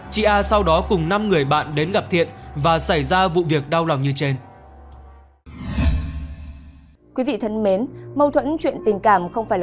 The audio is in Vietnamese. chị a sau đó cùng năm người bạn đến gặp thiện và xảy ra vụ việc đau lòng như trên